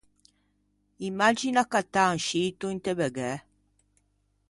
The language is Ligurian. Imagina cattâ un scito inte Begæ.